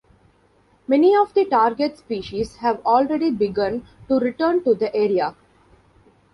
Many of the target species have already begun to return to the area.